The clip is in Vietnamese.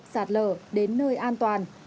sạt lở đến nơi an toàn